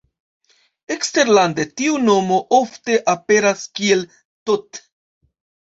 Eksterlande tiu nomo ofte aperas kiel Tot.